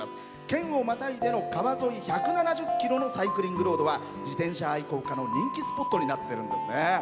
県をまたいでの川沿い１７０ｋｍのサイクリングロードは自転車愛好家の人気スポットになっているんですね。